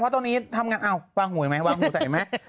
เพราะตรงนี้ทำงานวางหูไหมวางหูใส่ไหม